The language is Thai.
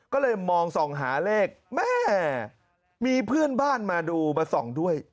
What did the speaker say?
ก็เลยมองส่องหาเลขแม่มีเพื่อนบ้านมาดูมาส่องด้วย